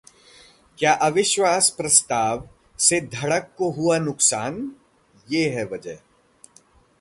क्या अविश्वास प्रस्ताव से धड़क को हुआ नुकसान? ये है वजह